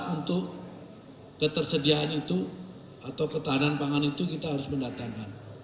untuk ketersediaan itu atau ketahanan pangan itu kita harus mendatangkan